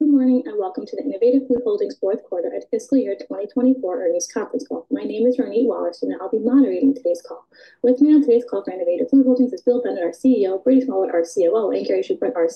Good morning and Welcome to the Innovative Food Holdings fourth quarter and fiscal year 2024 earnings conference call. My name is Ronit Wallerstein, and I'll be moderating today's call. With me on today's call for Innovative Food Holdings is Bill Bennett, our CEO, Brady Smallwood, our COO, and Gary Schubert, our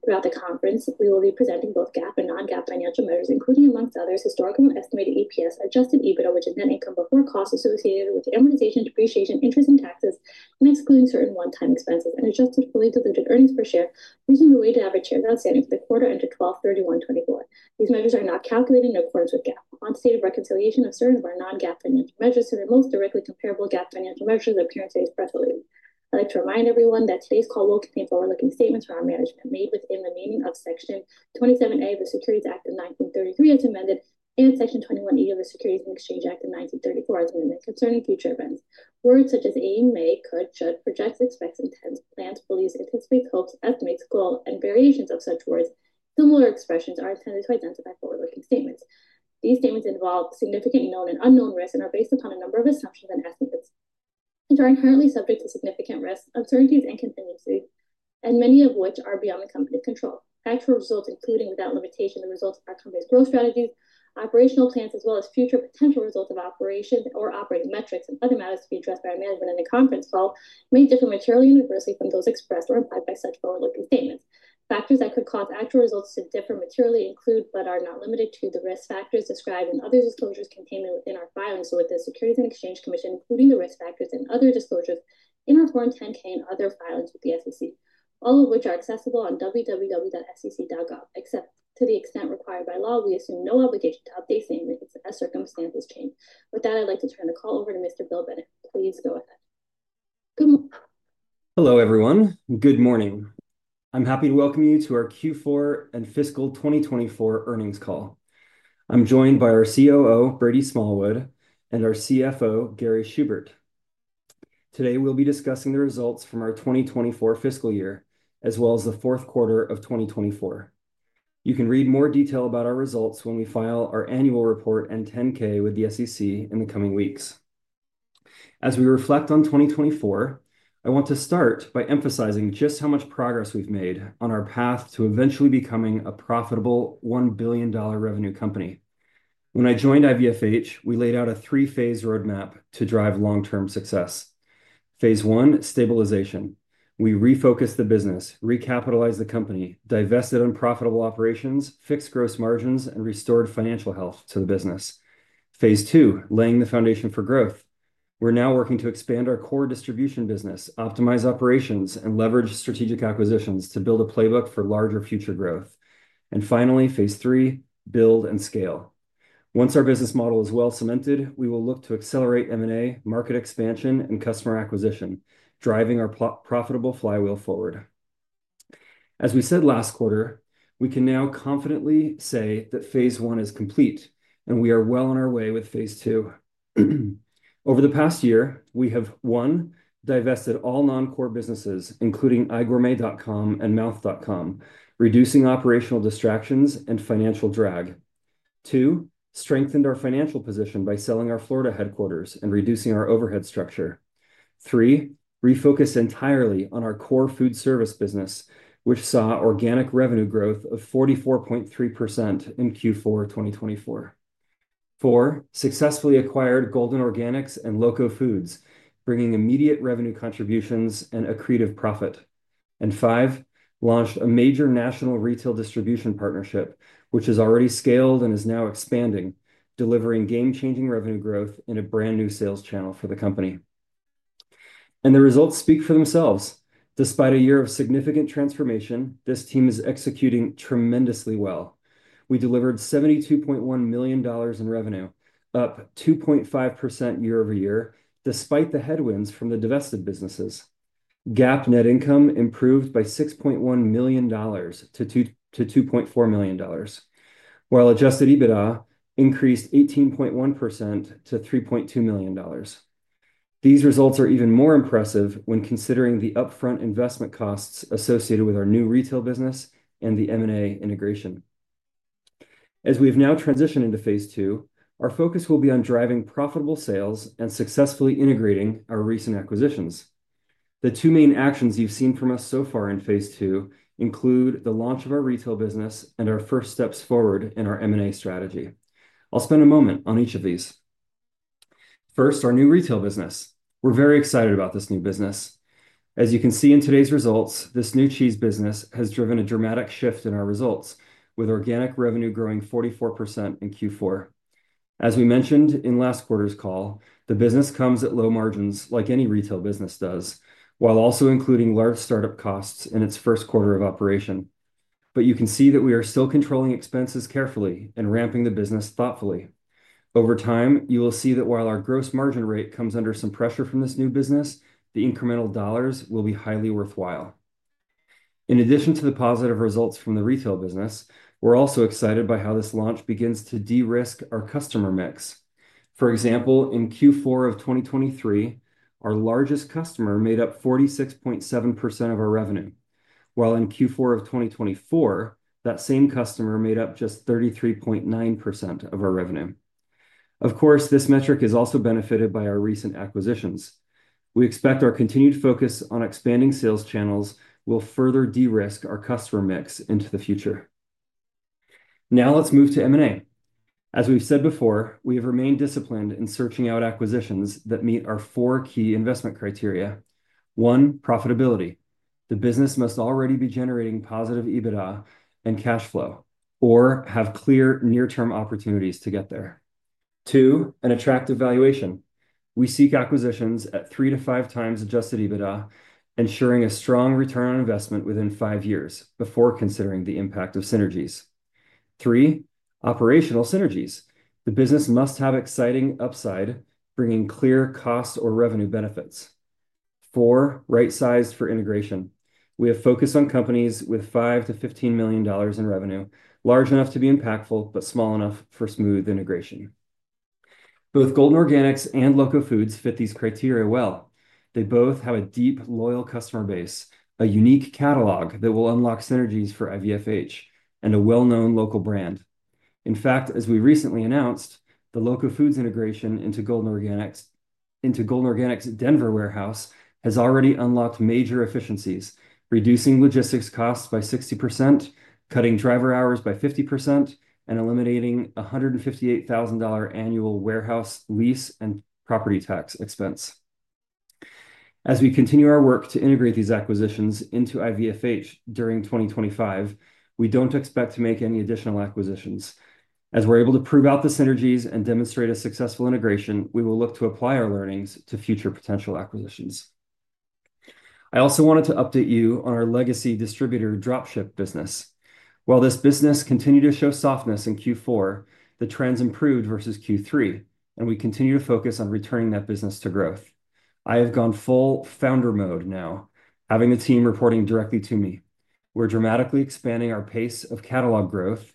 CFO. Throughout the conference, we will be presenting both GAAP and non-GAAP financial measures, including, amongst others, historical and estimated EPS, adjusted EBITDA, which is net income before costs associated with amortization, depreciation, interest, and taxes, and excluding certain one-time expenses, and adjusted fully diluted earnings per share, using the weighted average share value outstanding for the quarter ended 12/31/2024. These measures are not calculated in accordance with GAAP. On to the reconciliation of certain of our non-GAAP financial measures to the most directly comparable GAAP financial measures that appear in today's press release. I'd like to remind everyone that today's call will contain forward-looking statements from our management made within the meaning of Section 27A of the Securities Act of 1933, as amended, and Section 21E of the Securities and Exchange Act of 1934, as amended, concerning future events. Words such as aim, make, could, should, projects, expects, intends, plans, believes, anticipates, hopes, estimates, goal, and variations of such words, similar expressions, are intended to identify forward-looking statements. These statements involve significant known and unknown risks and are based upon a number of assumptions and estimates which are inherently subject to significant risks, uncertainties, and contingencies, and many of which are beyond the company's control. Actual results, including without limitation, the results of our company's growth strategies, operational plans, as well as future potential results of operations or operating metrics and other matters to be addressed by our management in the conference call, may differ materially and universally from those expressed or implied by such forward-looking statements. Factors that could cause actual results to differ materially include, but are not limited to, the risk factors described in other disclosures contained within our filings with the Securities and Exchange Commission, including the risk factors in other disclosures in our Form 10-K and other filings with the SEC, all of which are accessible on www.sec.gov. Except to the extent required by law, we assume no obligation to update statements as circumstances change. With that, I'd like to turn the call over to Mr. Bill Bennett. Please go ahead. Hello, everyone. Good morning. I'm happy to welcome you to our Q4 and fiscal 2024 earnings call. I'm joined by our COO, Brady Smallwood, and our CFO, Gary Schubert. Today, we'll be discussing the results from our 2024 fiscal year, as well as the fourth quarter of 2024. You can read more detail about our results when we file our annual report and 10-K with the SEC in the coming weeks. As we reflect on 2024, I want to start by emphasizing just how much progress we've made on our path to eventually becoming a profitable $1 billion revenue company. When I joined IVFH, we laid out a three phase roadmap to drive long-term success. Phase one: stabilization. We refocused the business, recapitalized the company, divested unprofitable operations, fixed gross margins, and restored financial health to the business. Phase two: laying the foundation for growth. We're now working to expand our core distribution business, optimize operations, and leverage strategic acquisitions to build a playbook for larger future growth. Finally, phase three: build and scale. Once our business model is well cemented, we will look to accelerate M&A, market expansion, and customer acquisition, driving our profitable flywheel forward. As we said last quarter, we can now confidently say that phase one is complete, and we are well on our way with phase two. Over the past year, we have: one, divested all non-core businesses, including igourmet.com and Mouth.com, reducing operational distractions and financial drag; two, strengthened our financial position by selling our Florida headquarters and reducing our overhead structure; three, refocused entirely on our core food service business, which saw organic revenue growth of 44.3% in Q4 2024; four, successfully acquired Golden Organics and LoCo Foods, bringing immediate revenue contributions and accretive profit; and five, launched a major national retail distribution partnership, which has already scaled and is now expanding, delivering game-changing revenue growth and a brand new sales channel for the company. The results speak for themselves. Despite a year of significant transformation, this team is executing tremendously well. We delivered $72.1 million in revenue, up 2.5% year-over-year, despite the headwinds from the divested businesses. GAAP net income improved by $6.1 million to $2.4 million, while adjusted EBITDA increased 18.1% to $3.2 million. These results are even more impressive when considering the upfront investment costs associated with our new retail business and the M&A integration. As we have now transitioned into phase two, our focus will be on driving profitable sales and successfully integrating our recent acquisitions. The two main actions you've seen from us so far in phase two include the launch of our retail business and our first steps forward in our M&A strategy. I'll spend a moment on each of these. First, our new retail business. We're very excited about this new business. As you can see in today's results, this new cheese business has driven a dramatic shift in our results, with organic revenue growing 44% in Q4. As we mentioned in last quarter's call, the business comes at low margins like any retail business does, while also including large startup costs in its first quarter of operation. You can see that we are still controlling expenses carefully and ramping the business thoughtfully. Over time, you will see that while our gross margin rate comes under some pressure from this new business, the incremental dollars will be highly worthwhile. In addition to the positive results from the retail business, we're also excited by how this launch begins to de-risk our customer mix. For example, in Q4 of 2023, our largest customer made up 46.7% of our revenue, while in Q4 of 2024, that same customer made up just 33.9% of our revenue. Of course, this metric is also benefited by our recent acquisitions. We expect our continued focus on expanding sales channels will further de-risk our customer mix into the future. Now let's move to M&A. As we've said before, we have remained disciplined in searching out acquisitions that meet our four key investment criteria. One, profitability. The business must already be generating positive EBITDA and cash flow or have clear near-term opportunities to get there. Two, an attractive valuation. We seek acquisitions at 3X-5X adjusted EBITDA, ensuring a strong return on investment within five years before considering the impact of synergies. Three, operational synergies. The business must have exciting upside, bringing clear cost or revenue benefits. Four, right sized for integration. We have focused on companies with $5-$15 million in revenue, large enough to be impactful but small enough for smooth integration. Both Golden Organics and LoCo Foods fit these criteria well. They both have a deep, loyal customer base, a unique catalog that will unlock synergies for IVFH, and a well-known local brand. In fact, as we recently announced, the LoCo Foods integration into Golden Organics' Denver warehouse has already unlocked major efficiencies, reducing logistics costs by 60%, cutting driver hours by 50%, and eliminating a $158,000 annual warehouse lease and property tax expense. As we continue our work to integrate these acquisitions into IVFH during 2025, we do not expect to make any additional acquisitions. As we are able to prove out the synergies and demonstrate a successful integration, we will look to apply our learnings to future potential acquisitions. I also wanted to update you on our legacy distributor dropship business. While this business continued to show softness in Q4, the trends improved versus Q3, and we continue to focus on returning that business to growth. I have gone full founder mode now, having the team reporting directly to me. We're dramatically expanding our pace of catalog growth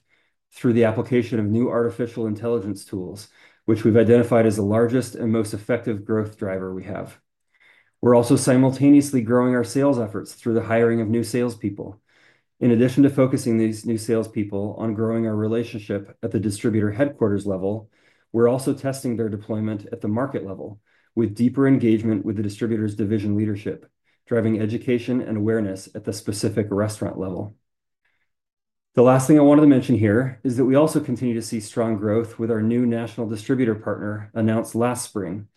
through the application of new artificial intelligence tools, which we've identified as the largest and most effective growth driver we have. We're also simultaneously growing our sales efforts through the hiring of new salespeople. In addition to focusing these new salespeople on growing our relationship at the distributor headquarters level, we're also testing their deployment at the market level with deeper engagement with the distributor's division leadership, driving education and awareness at the specific restaurant level. The last thing I wanted to mention here is that we also continue to see strong growth with our new national distributor partner announced last spring.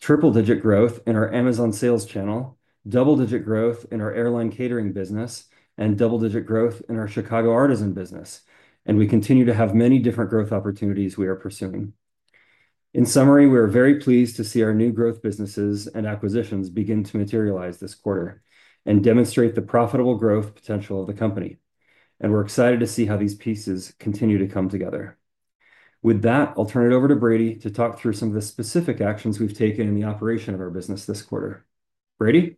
Triple-digit growth in our Amazon sales channel, double-digit growth in our airline catering business, and double-digit growth in our Chicago Artisan business. We continue to have many different growth opportunities we are pursuing. In summary, we are very pleased to see our new growth businesses and acquisitions begin to materialize this quarter and demonstrate the profitable growth potential of the company. We are excited to see how these pieces continue to come together. With that, I'll turn it over to Brady to talk through some of the specific actions we've taken in the operation of our business this quarter. Brady?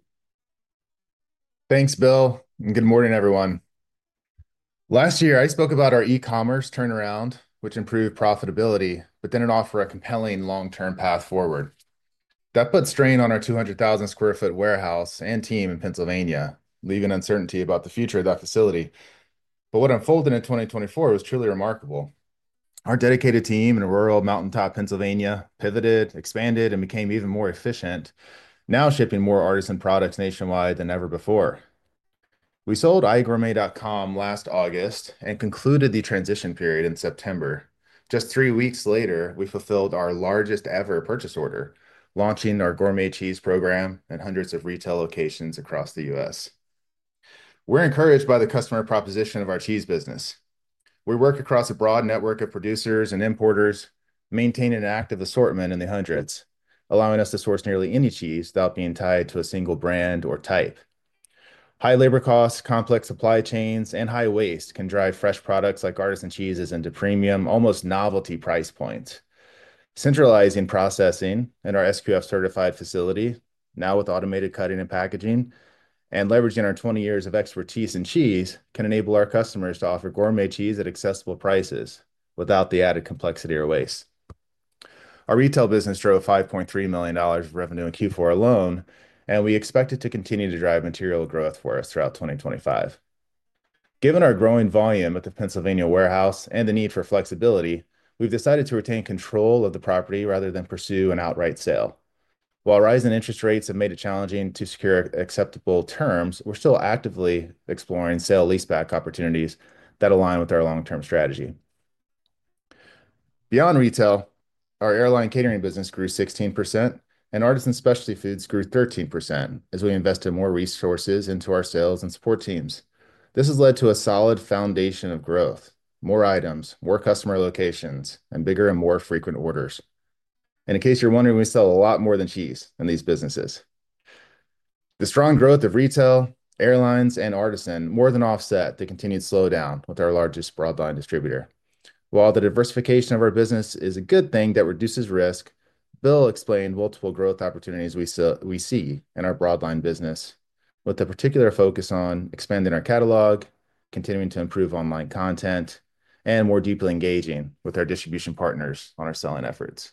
Thanks, Bill. Good morning, everyone. Last year, I spoke about our e-commerce turnaround, which improved profitability, but did not offer a compelling long-term path forward. That put strain on our 200,000 sq ft warehouse and team in Pennsylvania, leaving uncertainty about the future of that facility. What unfolded in 2024 was truly remarkable. Our dedicated team in rural Mountain Top, Pennsylvania, pivoted, expanded, and became even more efficient, now shipping more artisan products nationwide than ever before. We sold igourmet.com last August and concluded the transition period in September. Just three weeks later, we fulfilled our largest-ever purchase order, launching our gourmet cheese program and hundreds of retail locations across the U.S. We are encouraged by the customer proposition of our cheese business. We work across a broad network of producers and importers, maintaining an active assortment in the hundreds, allowing us to source nearly any cheese without being tied to a single brand or type. High labor costs, complex supply chains, and high waste can drive fresh products like artisan cheeses into premium, almost novelty price points. Centralizing processing in our SQF-certified facility, now with automated cutting and packaging, and leveraging our 20 years of expertise in cheese, can enable our customers to offer gourmet cheese at accessible prices without the added complexity or waste. Our retail business drove $5.3 million of revenue in Q4 alone, and we expect it to continue to drive material growth for us throughout 2025. Given our growing volume at the Pennsylvania warehouse and the need for flexibility, we've decided to retain control of the property rather than pursue an outright sale. While rising interest rates have made it challenging to secure acceptable terms, we're still actively exploring sale leaseback opportunities that align with our long-term strategy. Beyond retail, our airline catering business grew 16%, and Artisan Specialty Foods grew 13% as we invested more resources into our sales and support teams. This has led to a solid foundation of growth, more items, more customer locations, and bigger and more frequent orders. In case you're wondering, we sell a lot more than cheese in these businesses. The strong growth of retail, airlines, and Artisan more than offset the continued slowdown with our largest broadline distributor. While the diversification of our business is a good thing that reduces risk, Bill explained multiple growth opportunities we see in our broadline business, with a particular focus on expanding our catalog, continuing to improve online content, and more deeply engaging with our distribution partners on our selling efforts.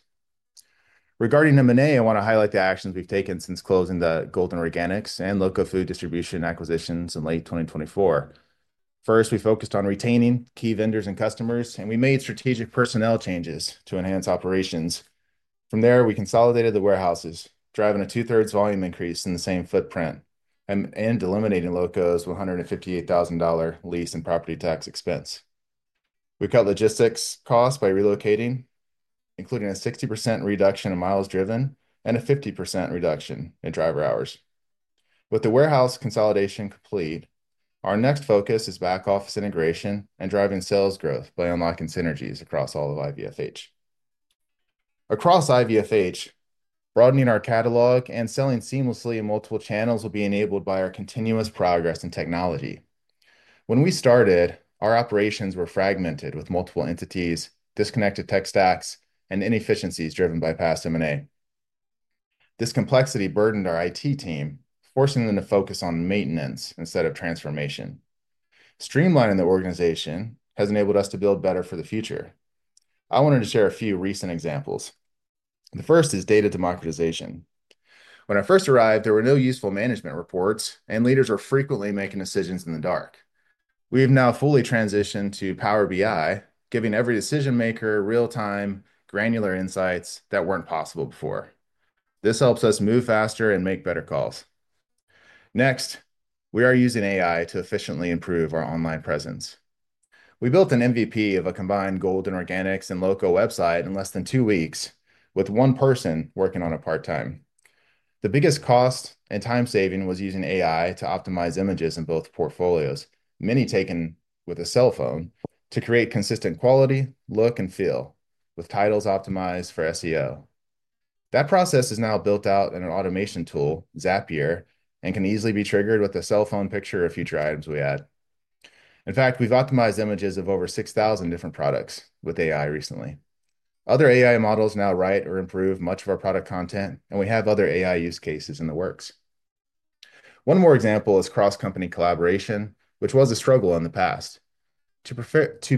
Regarding M&A, I want to highlight the actions we've taken since closing the Golden Organics and LoCo Foods distribution acquisitions in late 2024. First, we focused on retaining key vendors and customers, and we made strategic personnel changes to enhance operations. From there, we consolidated the warehouses, driving a 2/3 volume increase in the same footprint and eliminating LoCo's $158,000 lease and property tax expense. We cut logistics costs by relocating, including a 60% reduction in miles driven and a 50% reduction in driver hours. With the warehouse consolidation complete, our next focus is back office integration and driving sales growth by unlocking synergies across all of IVFH. Across IVFH, broadening our catalog and selling seamlessly in multiple channels will be enabled by our continuous progress in technology. When we started, our operations were fragmented with multiple entities, disconnected tech stacks, and inefficiencies driven by past M&A. This complexity burdened our IT team, forcing them to focus on maintenance instead of transformation. Streamlining the organization has enabled us to build better for the future. I wanted to share a few recent examples. The first is data democratization. When I first arrived, there were no useful management reports, and leaders were frequently making decisions in the dark. We have now fully transitioned to Power BI, giving every decision-maker real-time, granular insights that were not possible before. This helps us move faster and make better calls. Next, we are using AI to efficiently improve our online presence. We built an MVP of a combined Golden Organics and LoCo website in less than two weeks, with one person working on it part-time. The biggest cost and time saving was using AI to optimize images in both portfolios, many taken with a cell phone, to create consistent quality, look, and feel, with titles optimized for SEO. That process is now built out in an automation tool, Zapier, and can easily be triggered with a cell phone picture or future items we add. In fact, we've optimized images of over 6,000 different products with AI recently. Other AI models now write or improve much of our product content, and we have other AI use cases in the works. One more example is cross-company collaboration, which was a struggle in the past. To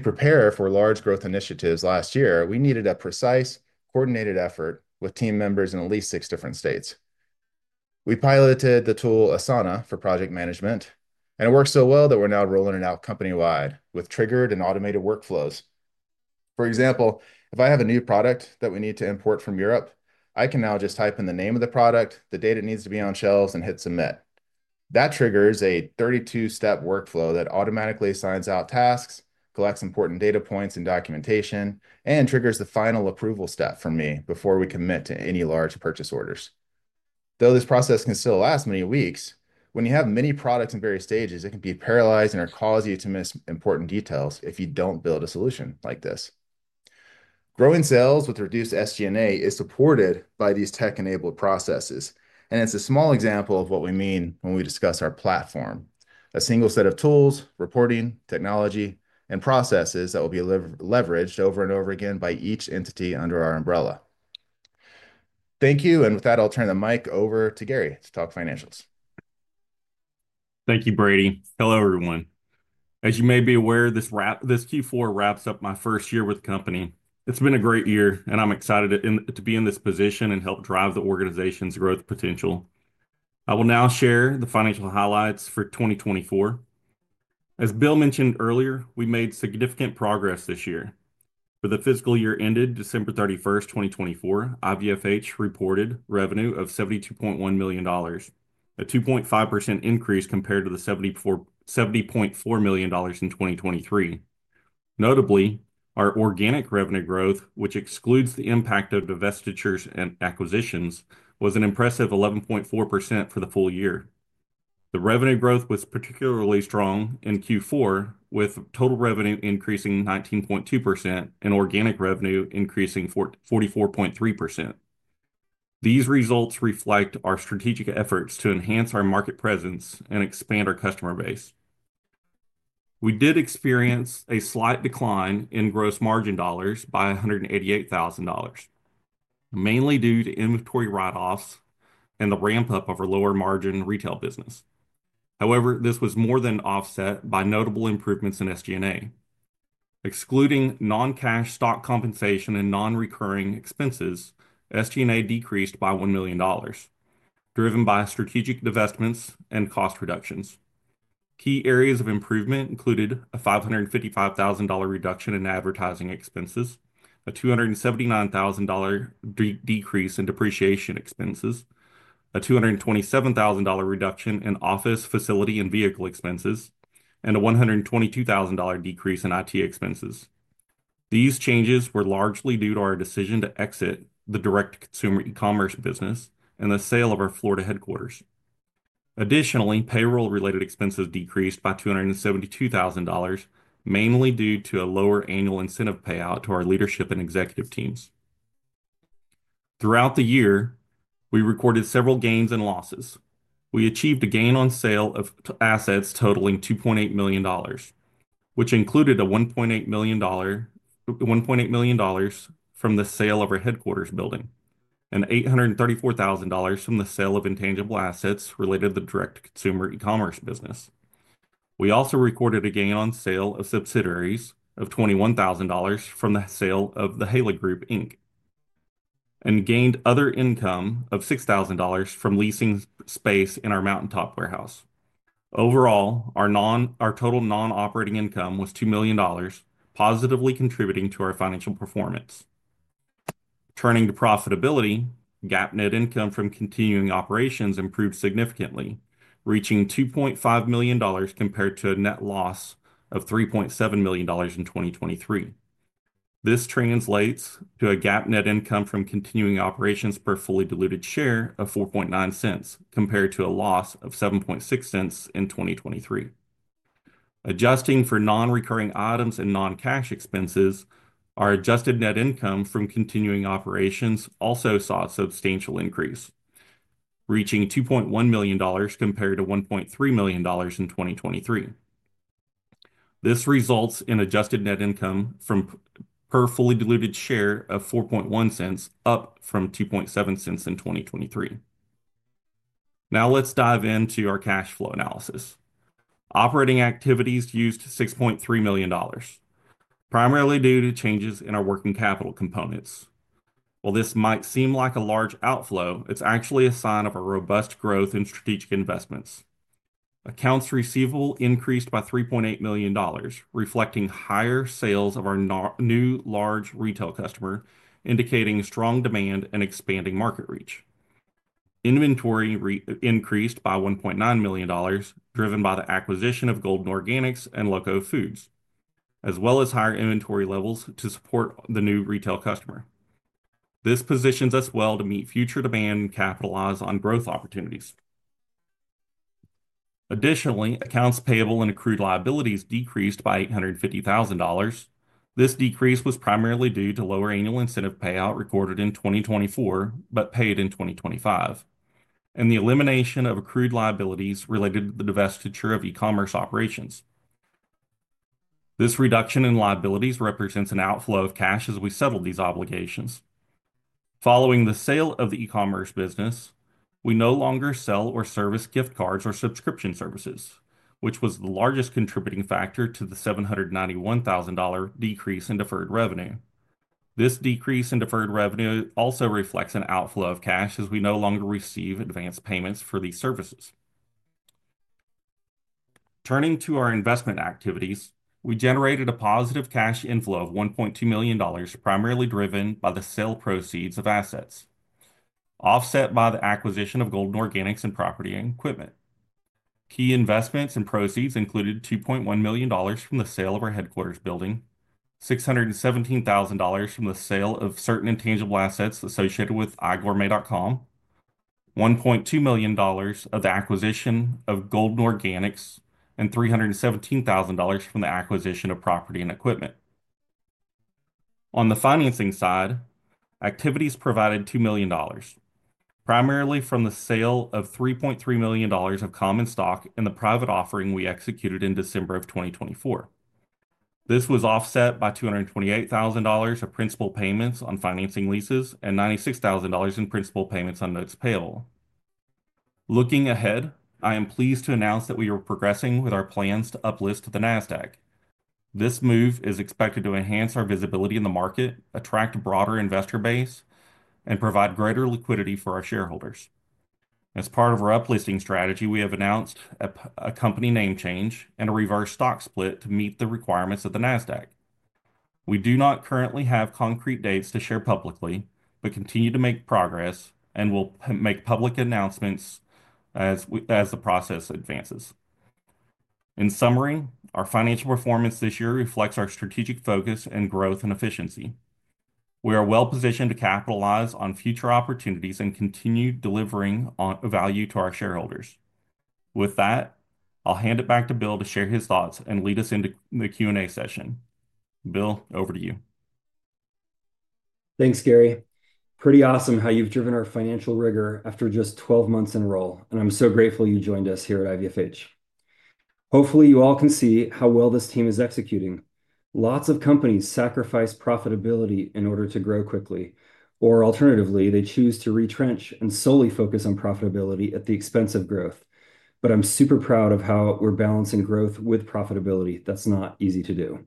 prepare for large growth initiatives last year, we needed a precise, coordinated effort with team members in at least six different states. We piloted the tool Asana for project management, and it worked so well that we're now rolling it out company-wide with triggered and automated workflows. For example, if I have a new product that we need to import from Europe, I can now just type in the name of the product, the date it needs to be on shelves, and hit submit. That triggers a 32-step workflow that automatically signs out tasks, collects important data points and documentation, and triggers the final approval step for me before we commit to any large purchase orders. Though this process can still last many weeks, when you have many products in various stages, it can be paralyzing or cause you to miss important details if you do not build a solution like this. Growing sales with reduced SG&A is supported by these tech-enabled processes, and it is a small example of what we mean when we discuss our platform: a single set of tools, reporting, technology, and processes that will be leveraged over and over again by each entity under our umbrella. Thank you, and with that, I will turn the mic over to Gary to talk financials. Thank you, Brady. Hello, everyone. As you may be aware, this Q4 wraps up my first year with the company. It's been a great year, and I'm excited to be in this position and help drive the organization's growth potential. I will now share the financial highlights for 2024. As Bill mentioned earlier, we made significant progress this year. With the fiscal year ended December 31st, 2024, IVFH reported revenue of $72.1 million, a 2.5% increase compared to the $70.4 million in 2023. Notably, our organic revenue growth, which excludes the impact of divestitures and acquisitions, was an impressive 11.4% for the full year. The revenue growth was particularly strong in Q4, with total revenue increasing 19.2% and organic revenue increasing 44.3%. These results reflect our strategic efforts to enhance our market presence and expand our customer base. We did experience a slight decline in gross margin dollars by $188,000, mainly due to inventory write-offs and the ramp-up of our lower margin retail business. However, this was more than offset by notable improvements in SG&A. Excluding non-cash stock compensation and non-recurring expenses, SG&A decreased by $1 million, driven by strategic divestments and cost reductions. Key areas of improvement included a $555,000 reduction in advertising expenses, a $279,000 decrease in depreciation expenses, a $227,000 reduction in office, facility, and vehicle expenses, and a $122,000 decrease in IT expenses. These changes were largely due to our decision to exit the direct-to-consumer e-commerce business and the sale of our Florida headquarters. Additionally, payroll-related expenses decreased by $272,000, mainly due to a lower annual incentive payout to our leadership and executive teams. Throughout the year, we recorded several gains and losses. We achieved a gain on sale of assets totaling $2.8 million, which included $1.8 million from the sale of our headquarters building and $834,000 from the sale of intangible assets related to the direct-to-consumer e-commerce business. We also recorded a gain on sale of subsidiaries of $21,000 from the sale of the Haley Group, and gained other income of $6,000 from leasing space in our Mountain Top warehouse. Overall, our total non-operating income was $2 million, positively contributing to our financial performance. Turning to profitability, GAAP net income from continuing operations improved significantly, reaching $2.5 million compared to a net loss of $3.7 million in 2023. This translates to a GAAP net income from continuing operations per fully diluted share of $0.049 compared to a loss of $0.076 in 2023. Adjusting for non-recurring items and non-cash expenses, our adjusted net income from continuing operations also saw a substantial increase, reaching $2.1 million compared to $1.3 million in 2023. This results in adjusted net income from per fully diluted share of $0.041, up from $0.07 in 2023. Now let's dive into our cash flow analysis. Operating activities used $6.3 million, primarily due to changes in our working capital components. While this might seem like a large outflow, it's actually a sign of a robust growth in strategic investments. Accounts receivable increased by $3.8 million, reflecting higher sales of our new large retail customer, indicating strong demand and expanding market reach. Inventory increased by $1.9 million, driven by the acquisition of Golden Organics and LoCo Foods, as well as higher inventory levels to support the new retail customer. This positions us well to meet future demand and capitalize on growth opportunities. Additionally, accounts payable and accrued liabilities decreased by $850,000. This decrease was primarily due to lower annual incentive payout recorded in 2024 but paid in 2025, and the elimination of accrued liabilities related to the divestiture of e-commerce operations. This reduction in liabilities represents an outflow of cash as we settle these obligations. Following the sale of the e-commerce business, we no longer sell or service gift cards or subscription services, which was the largest contributing factor to the $791,000 decrease in deferred revenue. This decrease in deferred revenue also reflects an outflow of cash as we no longer receive advance payments for these services. Turning to our investment activities, we generated a positive cash inflow of $1.2 million, primarily driven by the sale proceeds of assets, offset by the acquisition of Golden Organics and property and equipment. Key investments and proceeds included $2.1 million from the sale of our headquarters building, $617,000 from the sale of certain intangible assets associated with igourmet.com, $1.2 million for the acquisition of Golden Organics, and $317,000 from the acquisition of property and equipment. On the financing side, activities provided $2 million, primarily from the sale of $3.3 million of common stock in the private offering we executed in December of 2024. This was offset by $228,000 of principal payments on financing leases and $96,000 in principal payments on notes payable. Looking ahead, I am pleased to announce that we are progressing with our plans to uplist to the Nasdaq. This move is expected to enhance our visibility in the market, attract a broader investor base, and provide greater liquidity for our shareholders. As part of our uplisting strategy, we have announced a company name change and a reverse stock split to meet the requirements of the Nasdaq. We do not currently have concrete dates to share publicly, but continue to make progress and will make public announcements as the process advances. In summary, our financial performance this year reflects our strategic focus and growth and efficiency. We are well positioned to capitalize on future opportunities and continue delivering value to our shareholders. With that, I'll hand it back to Bill to share his thoughts and lead us into the Q&A session. Bill, over to you. Thanks, Gary. Pretty awesome how you've driven our financial rigor after just 12 months in a row, and I'm so grateful you joined us here at IVFH. Hopefully, you all can see how well this team is executing. Lots of companies sacrifice profitability in order to grow quickly, or alternatively, they choose to retrench and solely focus on profitability at the expense of growth. I'm super proud of how we're balancing growth with profitability. That's not easy to do.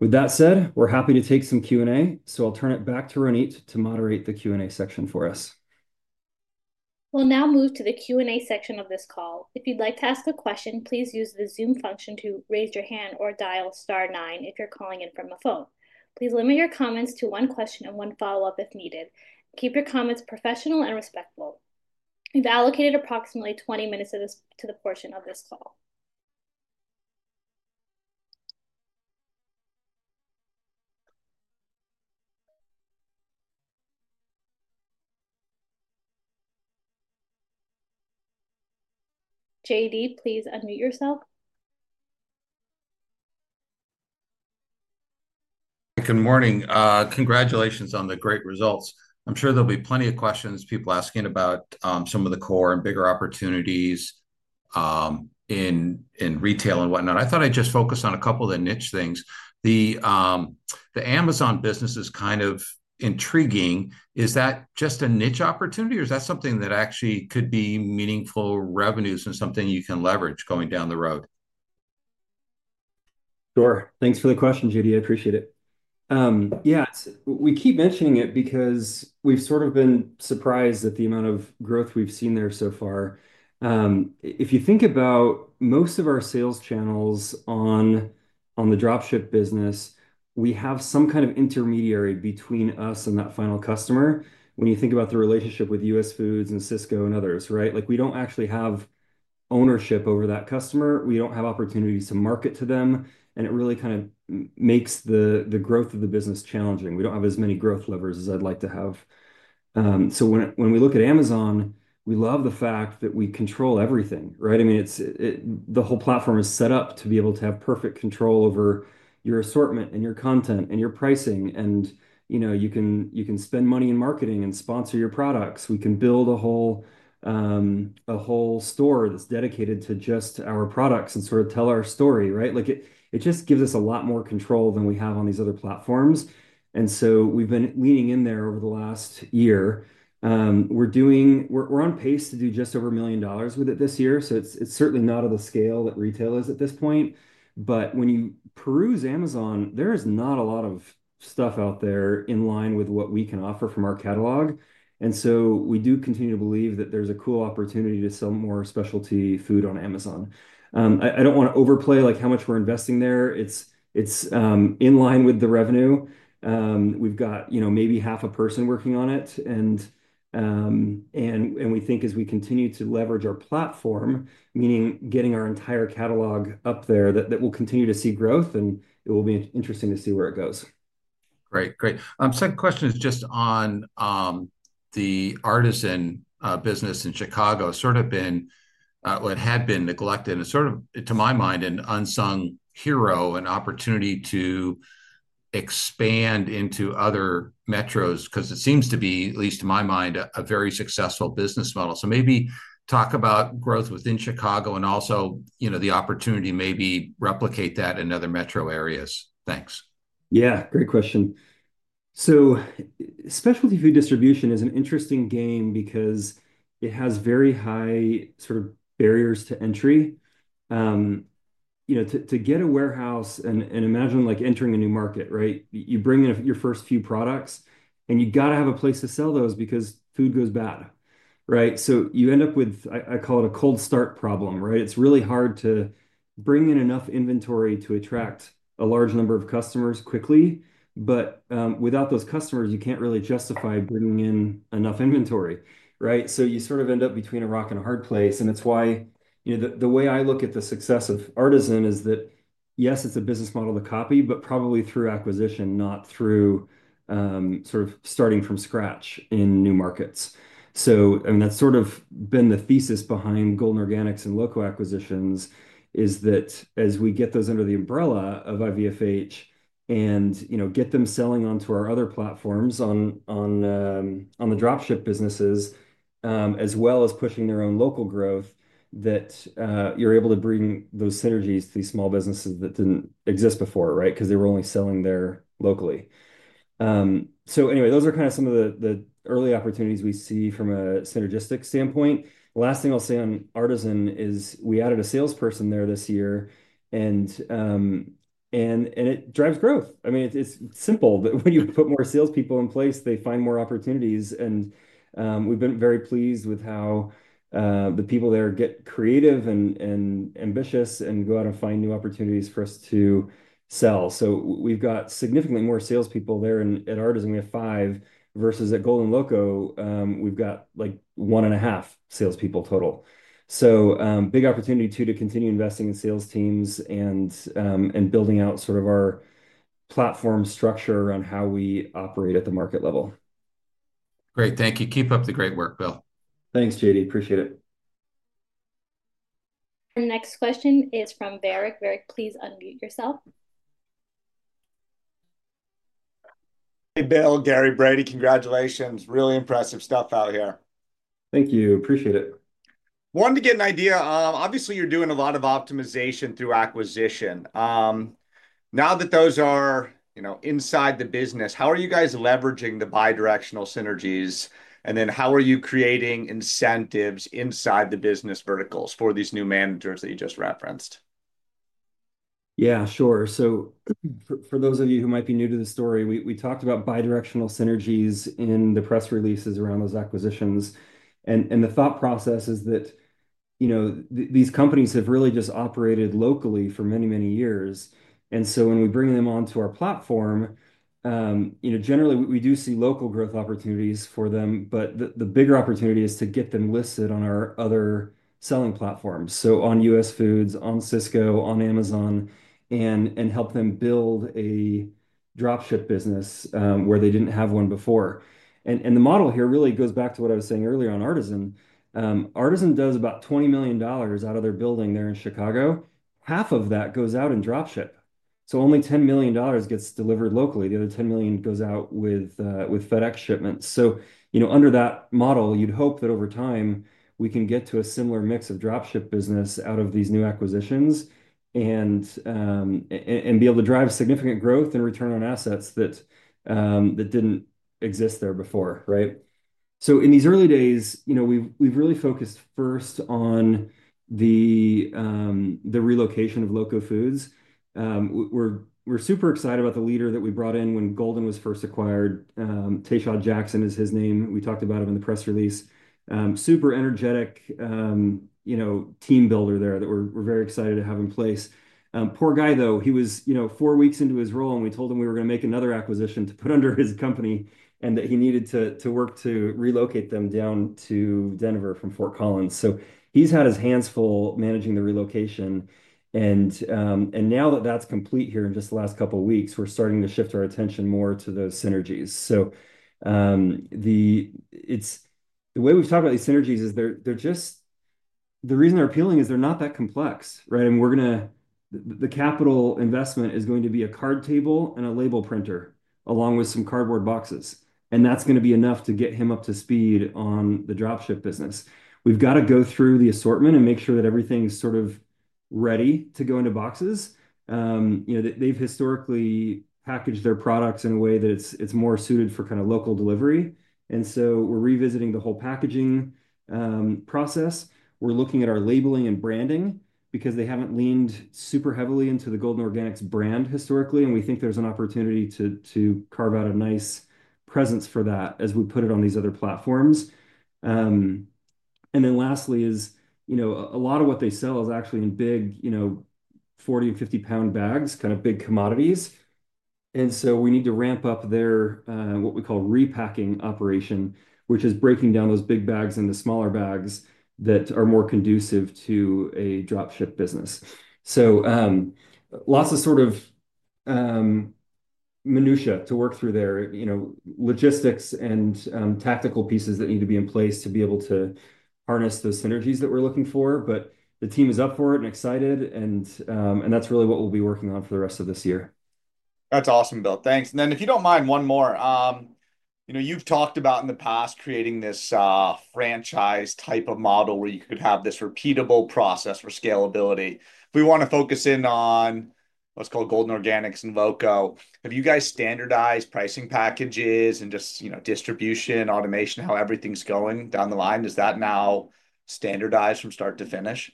With that said, we're happy to take some Q&A, so I'll turn it back to Ronit to moderate the Q&A section for us. We'll now move to the Q&A section of this call. If you'd like to ask a question, please use the Zoom function to raise your hand or dial star nine if you're calling in from a phone. Please limit your comments to one question and one follow-up if needed. Keep your comments professional and respectful. We've allocated approximately 20 minutes to the portion of this call. JD, please unmute yourself. Good morning. Congratulations on the great results. I'm sure there'll be plenty of questions, people asking about some of the core and bigger opportunities in retail and whatnot. I thought I'd just focus on a couple of the niche things. The Amazon business is kind of intriguing. Is that just a niche opportunity, or is that something that actually could be meaningful revenues and something you can leverage going down the road? Sure. Thanks for the question, JD. I appreciate it. Yeah, we keep mentioning it because we've sort of been surprised at the amount of growth we've seen there so far. If you think about most of our sales channels on the dropship business, we have some kind of intermediary between us and that final customer. When you think about the relationship with US Foods and Sysco and others, right? We don't actually have ownership over that customer. We don't have opportunities to market to them, and it really kind of makes the growth of the business challenging. We don't have as many growth levers as I'd like to have. When we look at Amazon, we love the fact that we control everything, right? I mean, the whole platform is set up to be able to have perfect control over your assortment and your content and your pricing. You can spend money in marketing and sponsor your products. We can build a whole store that's dedicated to just our products and sort of tell our story, right? It just gives us a lot more control than we have on these other platforms. We have been leaning in there over the last year. We are on pace to do just over $1 million with it this year. It is certainly not at the scale that retail is at this point. When you peruse Amazon, there is not a lot of stuff out there in line with what we can offer from our catalog. We do continue to believe that there is a cool opportunity to sell more specialty food on Amazon. I do not want to overplay how much we are investing there. It is in line with the revenue. We've got maybe half a person working on it. We think as we continue to leverage our platform, meaning getting our entire catalog up there, that we'll continue to see growth, and it will be interesting to see where it goes. Great. Great. Second question is just on the Artisan business in Chicago, sort of been or had been neglected. And sort of to my mind, an unsung hero, an opportunity to expand into other metros because it seems to be, at least to my mind, a very successful business model. Maybe talk about growth within Chicago and also the opportunity maybe replicate that in other metro areas. Thanks. Yeah, great question. Specialty food distribution is an interesting game because it has very high sort of barriers to entry. To get a warehouse and imagine entering a new market, right? You bring in your first few products, and you've got to have a place to sell those because food goes bad, right? You end up with, I call it a cold start problem, right? It's really hard to bring in enough inventory to attract a large number of customers quickly. Without those customers, you can't really justify bringing in enough inventory, right? You sort of end up between a rock and a hard place. It's why the way I look at the success of Artisan is that, yes, it's a business model to copy, but probably through acquisition, not through sort of starting from scratch in new markets. I mean, that's sort of been the thesis behind Golden Organics and LoCo acquisitions is that as we get those under the umbrella of IVFH and get them selling onto our other platforms on the dropship businesses, as well as pushing their own local growth, that you're able to bring those synergies to these small businesses that didn't exist before, right? Because they were only selling there locally. Anyway, those are kind of some of the early opportunities we see from a synergistic standpoint. Last thing I'll say on Artisan is we added a salesperson there this year, and it drives growth. I mean, it's simple. When you put more salespeople in place, they find more opportunities. We've been very pleased with how the people there get creative and ambitious and go out and find new opportunities for us to sell. We've got significantly more salespeople there at Artisan. We have five versus at Golden LoCo. We've got one and a half salespeople total. Big opportunity too to continue investing in sales teams and building out sort of our platform structure around how we operate at the market level. Great. Thank you. Keep up the great work, Bill. Thanks, JD. Appreciate it. Our next question is from Virik. Virik, please unmute yourself. Hey, Bill, Gary, Brady, congratulations. Really impressive stuff out here. Thank you. Appreciate it. Wanted to get an idea. Obviously, you're doing a lot of optimization through acquisition. Now that those are inside the business, how are you guys leveraging the bidirectional synergies? How are you creating incentives inside the business verticals for these new managers that you just referenced? Yeah, sure. For those of you who might be new to the story, we talked about bidirectional synergies in the press releases around those acquisitions. The thought process is that these companies have really just operated locally for many, many years. When we bring them onto our platform, generally, we do see local growth opportunities for them. The bigger opportunity is to get them listed on our other selling platforms, on US Foods, on Sysco, on Amazon, and help them build a dropship business where they did not have one before. The model here really goes back to what I was saying earlier on Artisan. Artisan does about $20 million out of their building there in Chicago. Half of that goes out in dropship, so only $10 million gets delivered locally. The other $10 million goes out with FedEx shipments. Under that model, you'd hope that over time, we can get to a similar mix of dropship business out of these new acquisitions and be able to drive significant growth and return on assets that did not exist there before, right? In these early days, we've really focused first on the relocation of LoCo Foods. We're super excited about the leader that we brought in when Golden was first acquired. Taeshaud Jackson is his name. We talked about him in the press release. Super energetic team builder there that we're very excited to have in place. Poor guy, though. He was four weeks into his role, and we told him we were going to make another acquisition to put under his company and that he needed to work to relocate them down to Denver from Fort Collins. He's had his hands full managing the relocation. Now that that's complete here in just the last couple of weeks, we're starting to shift our attention more to those synergies. The way we've talked about these synergies is they're just—the reason they're appealing is they're not that complex, right? The capital investment is going to be a card table and a label printer along with some cardboard boxes. That's going to be enough to get him up to speed on the dropship business. We've got to go through the assortment and make sure that everything's sort of ready to go into boxes. They've historically packaged their products in a way that it's more suited for kind of local delivery. We're revisiting the whole packaging process. We're looking at our labeling and branding because they haven't leaned super heavily into the Golden Organics brand historically. We think there's an opportunity to carve out a nice presence for that as we put it on these other platforms. Lastly, a lot of what they sell is actually in big 40 and 50-pound bags, kind of big commodities. We need to ramp up their what we call repacking operation, which is breaking down those big bags into smaller bags that are more conducive to a dropship business. Lots of sort of minutia to work through there, logistics and tactical pieces that need to be in place to be able to harness those synergies that we're looking for. The team is up for it and excited. That's really what we'll be working on for the rest of this year. That's awesome, Bill. Thanks. If you don't mind, one more. You've talked about in the past creating this franchise type of model where you could have this repeatable process for scalability. If we want to focus in on what's called Golden Organics and LoCo, have you guys standardized pricing packages and just distribution, automation, how everything's going down the line? Is that now standardized from start to finish?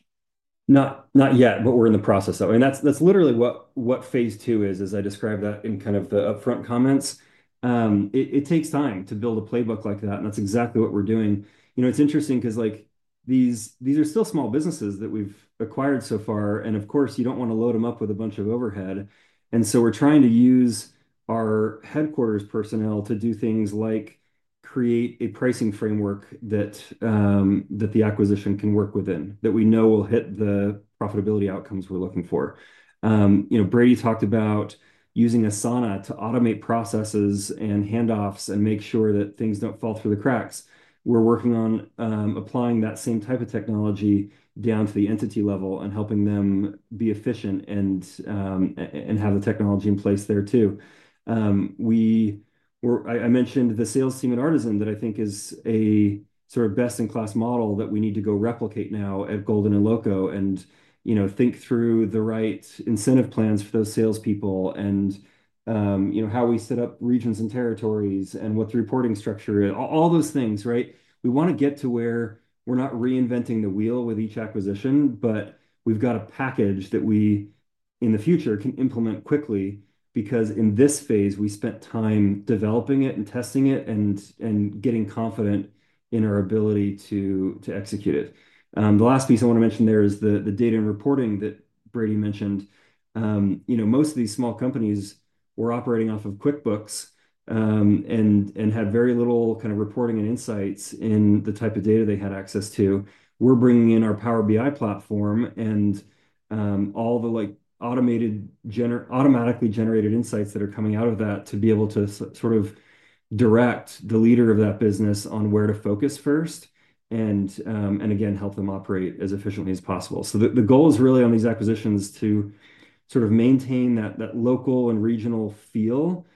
Not yet, but we're in the process, though. I mean, that's literally what phase two is, as I described that in kind of the upfront comments. It takes time to build a playbook like that. That's exactly what we're doing. It's interesting because these are still small businesses that we've acquired so far. Of course, you don't want to load them up with a bunch of overhead. We're trying to use our headquarters personnel to do things like create a pricing framework that the acquisition can work within that we know will hit the profitability outcomes we're looking for. Brady talked about using Asana to automate processes and handoffs and make sure that things don't fall through the cracks. We're working on applying that same type of technology down to the entity level and helping them be efficient and have the technology in place there too. I mentioned the sales team at Artisan that I think is a sort of best-in-class model that we need to go replicate now at Golden and LoCo and think through the right incentive plans for those salespeople and how we set up regions and territories and what is the reporting structure, all those things, right? We want to get to where we're not reinventing the wheel with each acquisition, but we've got a package that we in the future can implement quickly because in this phase, we spent time developing it and testing it and getting confident in our ability to execute it. The last piece I want to mention there is the data and reporting that Brady mentioned. Most of these small companies were operating off of QuickBooks and had very little kind of reporting and insights in the type of data they had access to. We're bringing in our Power BI platform and all the automatically generated insights that are coming out of that to be able to sort of direct the leader of that business on where to focus first and again, help them operate as efficiently as possible. The goal is really on these acquisitions to sort of maintain that local and regional feel.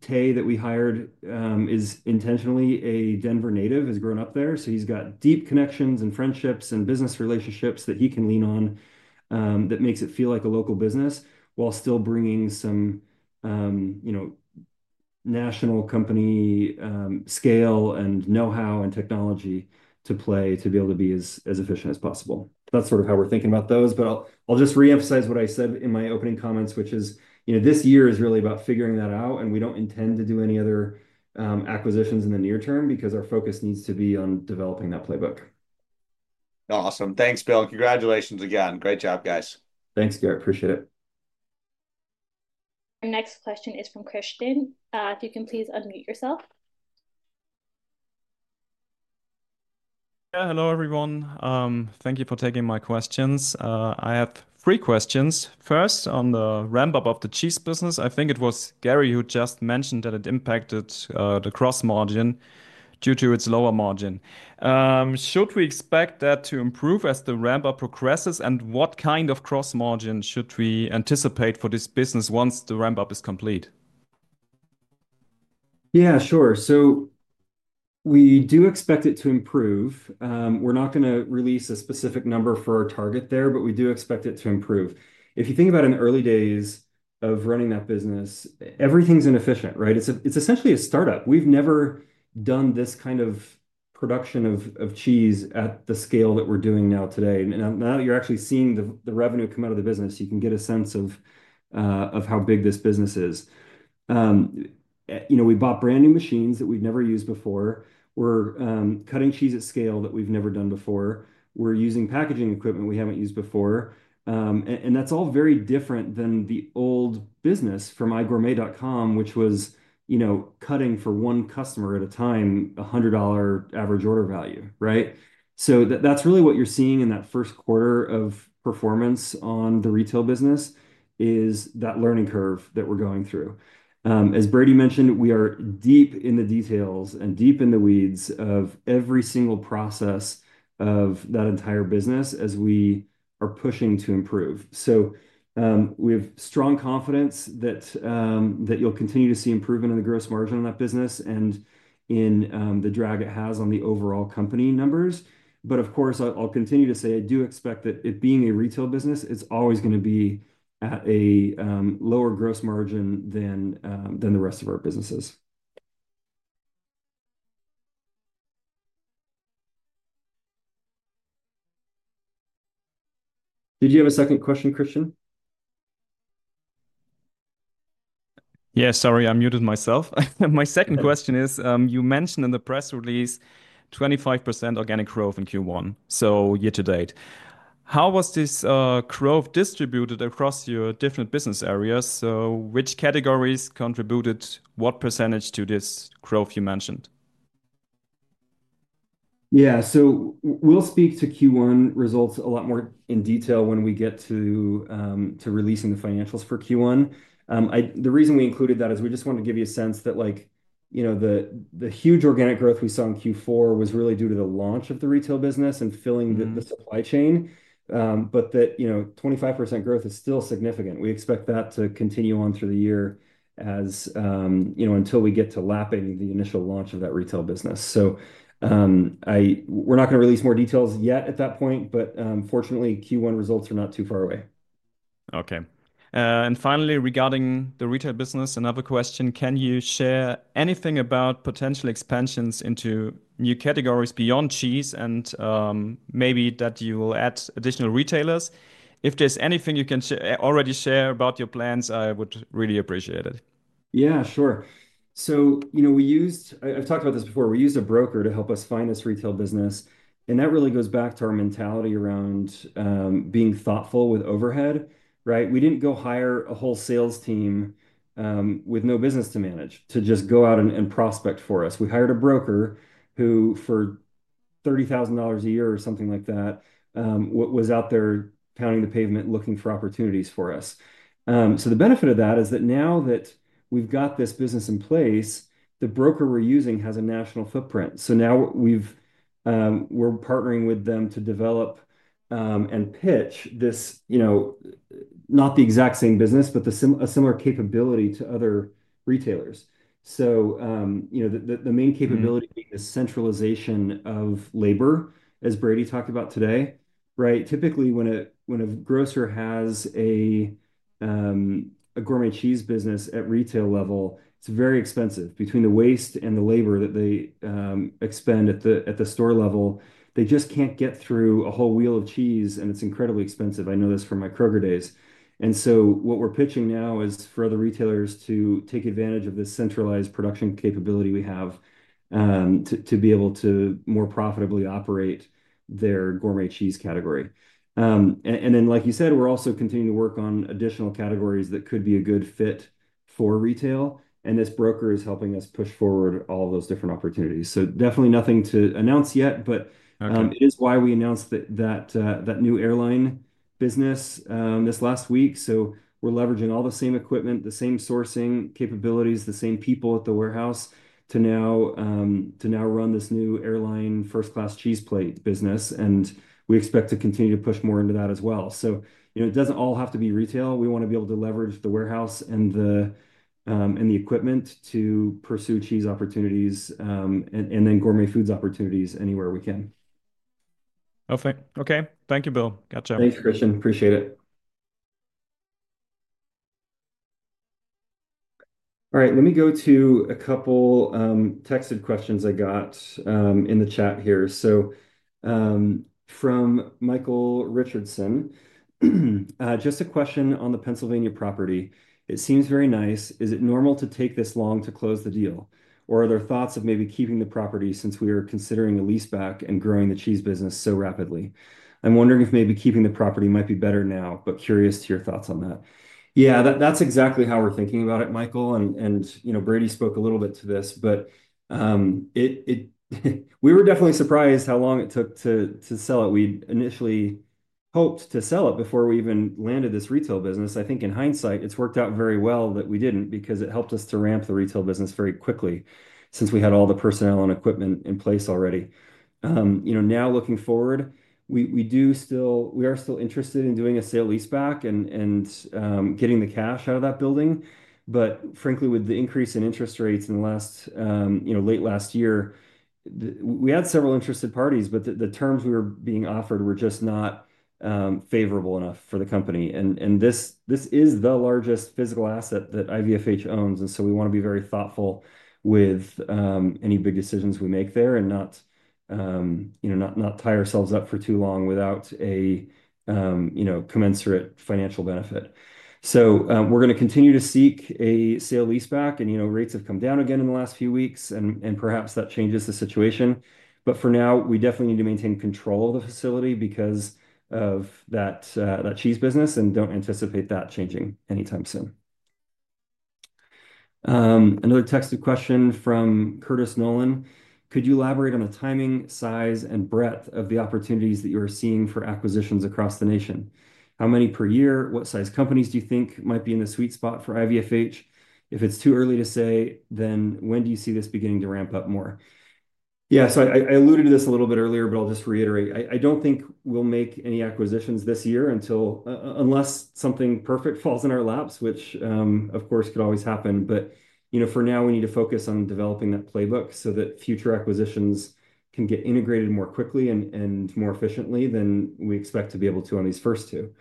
Tay that we hired is intentionally a Denver native, has grown up there. He's got deep connections and friendships and business relationships that he can lean on that makes it feel like a local business while still bringing some national company scale and know-how and technology to play to be able to be as efficient as possible. That's sort of how we're thinking about those. I'll just reemphasize what I said in my opening comments, which is this year is really about figuring that out. We do not intend to do any other acquisitions in the near term because our focus needs to be on developing that playbook. Awesome. Thanks, Bill. Congratulations again. Great job, guys. Thanks, Gary. Appreciate it. Our next question is from Christian. If you can please unmute yourself. Yeah, hello, everyone. Thank you for taking my questions. I have three questions. First, on the ramp-up of the cheese business, I think it was Gary who just mentioned that it impacted the gross margin due to its lower margin. Should we expect that to improve as the ramp-up progresses? What kind of gross margin should we anticipate for this business once the ramp-up is complete? Yeah, sure. We do expect it to improve. We're not going to release a specific number for our target there, but we do expect it to improve. If you think about in the early days of running that business, everything's inefficient, right? It's essentially a startup. We've never done this kind of production of cheese at the scale that we're doing now today. Now that you're actually seeing the revenue come out of the business, you can get a sense of how big this business is. We bought brand new machines that we've never used before. We're cutting cheese at scale that we've never done before. We're using packaging equipment we haven't used before. That's all very different than the old business from igourmet.com, which was cutting for one customer at a time, $100 average order value, right? That's really what you're seeing in that first quarter of performance on the retail business is that learning curve that we're going through. As Brady mentioned, we are deep in the details and deep in the weeds of every single process of that entire business as we are pushing to improve. We have strong confidence that you'll continue to see improvement in the gross margin on that business and in the drag it has on the overall company numbers. Of course, I'll continue to say I do expect that it being a retail business, it's always going to be at a lower gross margin than the rest of our businesses. Did you have a second question, Christian? Yes, sorry, I muted myself. My second question is, you mentioned in the press release 25% organic growth in Q1, so year to date. How was this growth distributed across your different business areas? Which categories contributed what percentage to this growth you mentioned? Yeah, we will speak to Q1 results a lot more in detail when we get to releasing the financials for Q1. The reason we included that is we just wanted to give you a sense that the huge organic growth we saw in Q4 was really due to the launch of the retail business and filling the supply chain, but that 25% growth is still significant. We expect that to continue on through the year until we get to lapping the initial launch of that retail business. We are not going to release more details yet at that point, but fortunately, Q1 results are not too far away. Okay. Finally, regarding the retail business, another question. Can you share anything about potential expansions into new categories beyond cheese and maybe that you will add additional retailers? If there's anything you can already share about your plans, I would really appreciate it. Yeah, sure. I've talked about this before. We used a broker to help us find this retail business. That really goes back to our mentality around being thoughtful with overhead, right? We didn't go hire a whole sales team with no business to manage to just go out and prospect for us. We hired a broker who for $30,000 a year or something like that was out there pounding the pavement looking for opportunities for us. The benefit of that is that now that we've got this business in place, the broker we're using has a national footprint. Now we're partnering with them to develop and pitch this, not the exact same business, but a similar capability to other retailers. The main capability being the centralization of labor, as Brady talked about today, right? Typically, when a grocer has a gourmet cheese business at retail level, it's very expensive. Between the waste and the labor that they expend at the store level, they just can't get through a whole wheel of cheese, and it's incredibly expensive. I know this from my Kroger days. What we're pitching now is for other retailers to take advantage of this centralized production capability we have to be able to more profitably operate their gourmet cheese category. Like you said, we're also continuing to work on additional categories that could be a good fit for retail. This broker is helping us push forward all of those different opportunities. Definitely nothing to announce yet, but it is why we announced that new airline business this last week. We're leveraging all the same equipment, the same sourcing capabilities, the same people at the warehouse to now run this new airline first-class cheese plate business. We expect to continue to push more into that as well. It doesn't all have to be retail. We want to be able to leverage the warehouse and the equipment to pursue cheese opportunities and then gourmet foods opportunities anywhere we can. Okay. Okay. Thank you, Bill. Gotcha. Thanks, Christian. Appreciate it. All right, let me go to a couple texted questions I got in the chat here. From Michael Richardson, just a question on the Pennsylvania property. It seems very nice. Is it normal to take this long to close the deal? Are there thoughts of maybe keeping the property since we are considering a lease back and growing the cheese business so rapidly? I'm wondering if maybe keeping the property might be better now, but curious to your thoughts on that. Yeah, that's exactly how we're thinking about it, Michael. Brady spoke a little bit to this, but we were definitely surprised how long it took to sell it. We initially hoped to sell it before we even landed this retail business. I think in hindsight, it's worked out very well that we didn't because it helped us to ramp the retail business very quickly since we had all the personnel and equipment in place already. Now looking forward, we are still interested in doing a sale-leaseback and getting the cash out of that building. Frankly, with the increase in interest rates in late last year, we had several interested parties, but the terms we were being offered were just not favorable enough for the company. This is the largest physical asset that IVFH owns. We want to be very thoughtful with any big decisions we make there and not tie ourselves up for too long without a commensurate financial benefit. We are going to continue to seek a sale-leaseback. Rates have come down again in the last few weeks, and perhaps that changes the situation. For now, we definitely need to maintain control of the facility because of that cheese business and do not anticipate that changing anytime soon. Another texted question from Curtis Nolen. Could you elaborate on the timing, size, and breadth of the opportunities that you are seeing for acquisitions across the nation? How many per year? What size companies do you think might be in the sweet spot for IVFH? If it is too early to say, then when do you see this beginning to ramp up more? Yeah, I alluded to this a little bit earlier, but I will just reiterate. I do not think we will make any acquisitions this year unless something perfect falls in our laps, which, of course, could always happen. For now, we need to focus on developing that playbook so that future acquisitions can get integrated more quickly and more efficiently than we expect to be able to on these first two.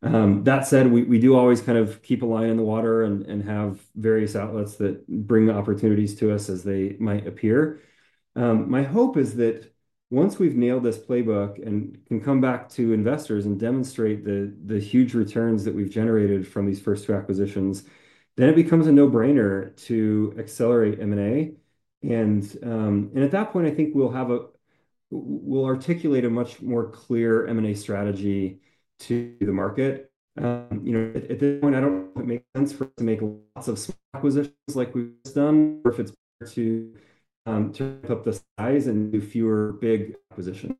That said, we do always kind of keep a line in the water and have various outlets that bring opportunities to us as they might appear. My hope is that once we've nailed this playbook and can come back to investors and demonstrate the huge returns that we've generated from these first two acquisitions, it becomes a no-brainer to accelerate M&A. At that point, I think we'll articulate a much more clear M&A strategy to the market. At this point, I don't know if it makes sense for us to make lots of small acquisitions like we've done or if it's better to ramp up the size and do fewer big acquisitions.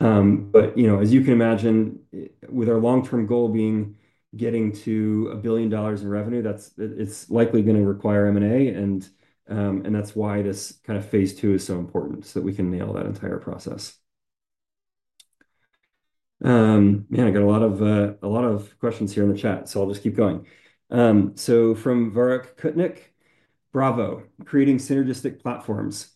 As you can imagine, with our long-term goal being getting to a billion dollars in revenue, it's likely going to require M&A. That's why this kind of phase two is so important so that we can nail that entire process. I got a lot of questions here in the chat, so I'll just keep going. From Varik Kutnick, bravo, creating synergistic platforms.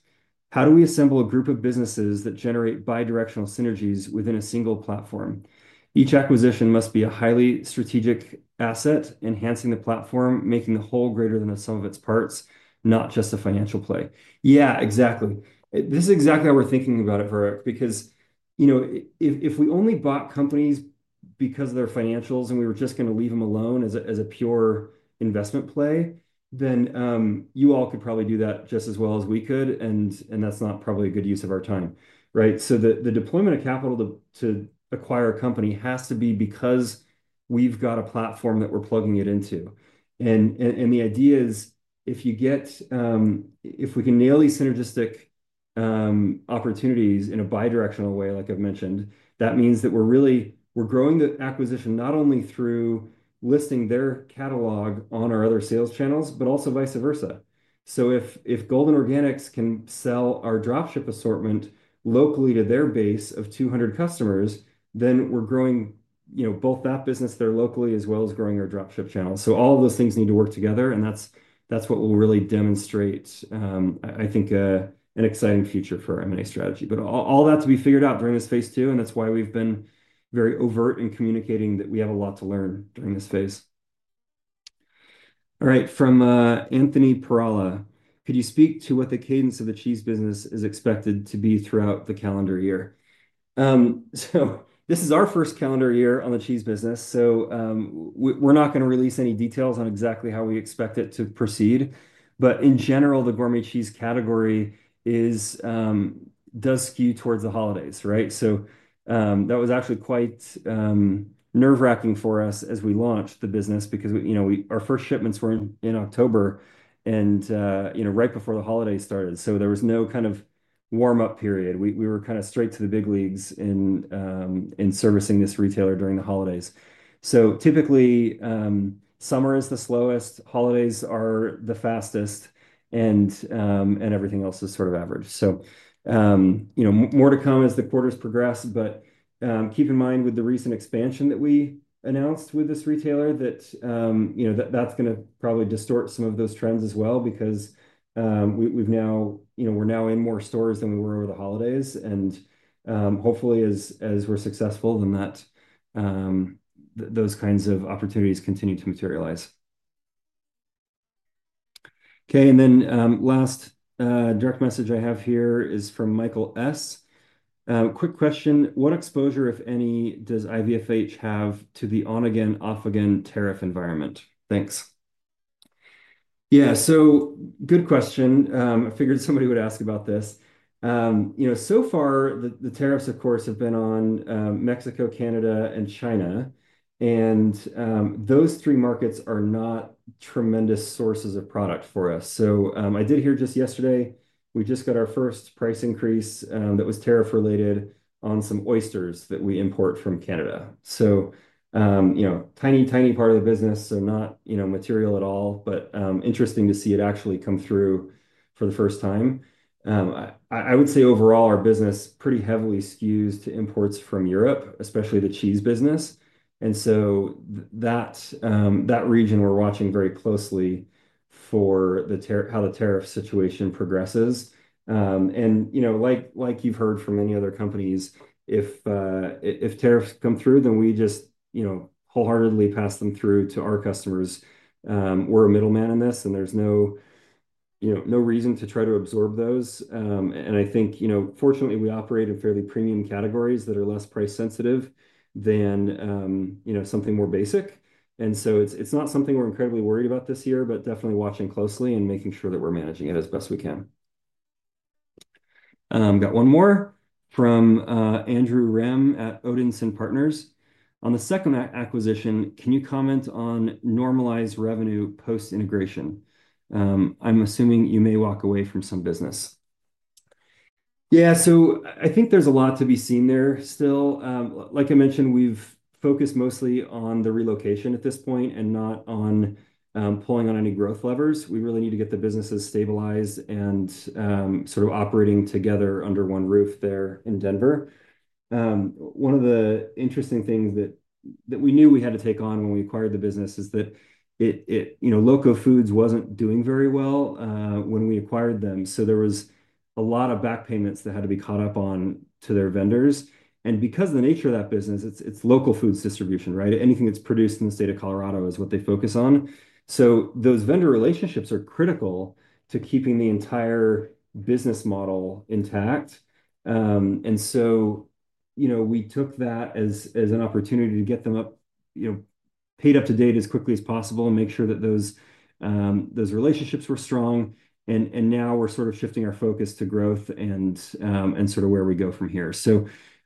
How do we assemble a group of businesses that generate bidirectional synergies within a single platform? Each acquisition must be a highly strategic asset, enhancing the platform, making the whole greater than the sum of its parts, not just a financial play. Yeah, exactly. This is exactly how we're thinking about it, Varik, because if we only bought companies because of their financials and we were just going to leave them alone as a pure investment play, you all could probably do that just as well as we could. That's not probably a good use of our time, right? The deployment of capital to acquire a company has to be because we've got a platform that we're plugging it into. The idea is if we can nail these synergistic opportunities in a bidirectional way, like I've mentioned, that means that we're growing the acquisition not only through listing their catalog on our other sales channels, but also vice versa. If Golden Organics can sell our dropship assortment locally to their base of 200 customers, we're growing both that business there locally as well as growing our dropship channels. All of those things need to work together. That is what will really demonstrate, I think, an exciting future for M&A strategy. All that to be figured out during this phase two. That is why we have been very overt in communicating that we have a lot to learn during this phase. All right, from Anthony Peralta, could you speak to what the cadence of the cheese business is expected to be throughout the calendar year? This is our first calendar year on the cheese business. We are not going to release any details on exactly how we expect it to proceed. In general, the gourmet cheese category does skew towards the holidays, right? That was actually quite nerve-wracking for us as we launched the business because our first shipments were in October and right before the holidays started. There was no kind of warm-up period. We were kind of straight to the big leagues in servicing this retailer during the holidays. Typically, summer is the slowest, holidays are the fastest, and everything else is sort of average. More to come as the quarters progress. Keep in mind with the recent expansion that we announced with this retailer that that's going to probably distort some of those trends as well because we're now in more stores than we were over the holidays. Hopefully, as we're successful, then those kinds of opportunities continue to materialize. Okay. The last direct message I have here is from Michael S. Quick question. What exposure, if any, does IVFH have to the on-again, off-again tariff environment? Thanks. Yeah, good question. I figured somebody would ask about this. The tariffs, of course, have been on Mexico, Canada, and China. Those three markets are not tremendous sources of product for us. I did hear just yesterday, we just got our first price increase that was tariff-related on some oysters that we import from Canada. Tiny, tiny part of the business, so not material at all, but interesting to see it actually come through for the first time. I would say overall, our business is pretty heavily skewed to imports from Europe, especially the cheese business. That region, we're watching very closely for how the tariff situation progresses. Like you've heard from many other companies, if tariffs come through, then we just wholeheartedly pass them through to our customers. We're a middleman in this, and there's no reason to try to absorb those. I think, fortunately, we operate in fairly premium categories that are less price-sensitive than something more basic. It is not something we're incredibly worried about this year, but definitely watching closely and making sure that we're managing it as best we can. Got one more from Andrew Rem at Odinson Partners. On the second acquisition, can you comment on normalized revenue post-integration? I'm assuming you may walk away from some business. Yeah, I think there's a lot to be seen there still. Like I mentioned, we've focused mostly on the relocation at this point and not on pulling on any growth levers. We really need to get the businesses stabilized and sort of operating together under one roof there in Denver. One of the interesting things that we knew we had to take on when we acquired the business is that LoCo Foods wasn't doing very well when we acquired them. There was a lot of back payments that had to be caught up on to their vendors. Because of the nature of that business, it's local foods distribution, right? Anything that's produced in the state of Colorado is what they focus on. Those vendor relationships are critical to keeping the entire business model intact. We took that as an opportunity to get them paid up to date as quickly as possible and make sure that those relationships were strong. Now we're sort of shifting our focus to growth and sort of where we go from here.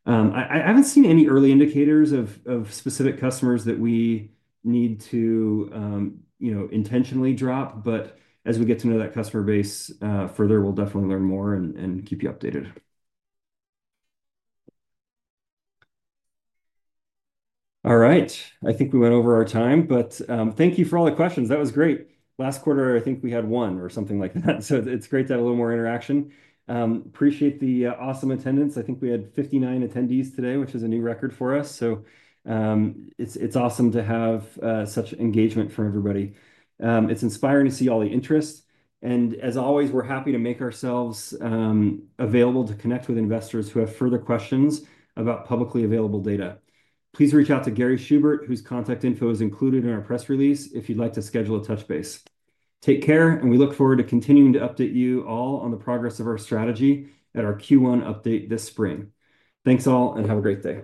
I haven't seen any early indicators of specific customers that we need to intentionally drop. As we get to know that customer base further, we'll definitely learn more and keep you updated. All right. I think we went over our time, but thank you for all the questions. That was great. Last quarter, I think we had one or something like that. It is great to have a little more interaction. Appreciate the awesome attendance. I think we had 59 attendees today, which is a new record for us. It is awesome to have such engagement from everybody. It is inspiring to see all the interest. As always, we're happy to make ourselves available to connect with investors who have further questions about publicly available data. Please reach out to Gary Schubert, whose contact info is included in our press release if you'd like to schedule a touch base. Take care, and we look forward to continuing to update you all on the progress of our strategy at our Q1 update this spring. Thanks all, and have a great day.